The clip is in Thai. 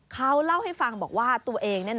เขาเล่าให้ฟังบอกว่าตัวเอง